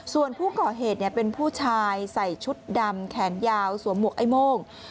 ส่วนผู้ก่อเหตุเป็นผู้ชายใส่ชุดดำแขนยาวสวมหวกไอ้โม่ง